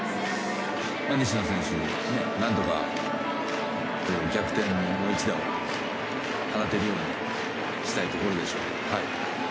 西野選手、何とか逆転の一打を放てるようにしたいところでしょうね。